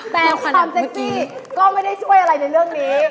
แต่ความเซ็กกี้ก็ไม่ได้ช่วยอะไรในเรื่องนี้